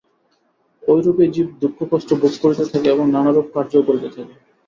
ঐরূপেই জীব দুঃখকষ্ট ভোগ করিতে থাকে এবং নানারূপ কার্যও করিতে থাকে।